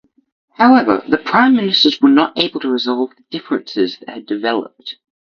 However the Prime Ministers were not able to resolve the differences that had developed.